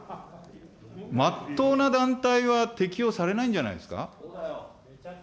まっとうな団体は適用されないんじゃないですか。